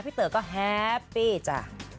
เต๋อก็แฮปปี้จ้ะ